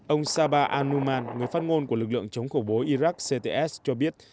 ông sabah al numan người phát ngôn của lực lượng chống khổ bối iraq cts cho biết